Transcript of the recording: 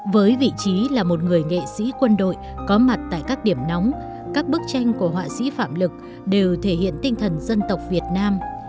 với vị trí là một người nghệ sĩ quân đội có mặt tại các điểm nóng các bức tranh của họa sĩ phạm lực đều thể hiện tinh thần dân tộc việt nam